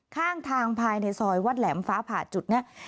ข้างทางภายในซอยวัดแหลมฟ้าผ่าจุดนี้